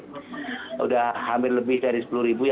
sudah hampir lebih dari sepuluh ribu